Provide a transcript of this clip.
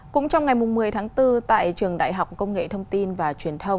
cũng trong ngày một mươi tháng bốn tại trường đại học công nghệ thông tin và truyền thông